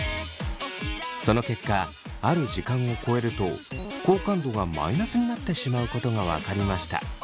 その結果ある時間をこえると好感度がマイナスになってしまうことが分かりました。